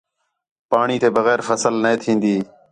پاݨی تے بغیر فصل نے تِھین٘دی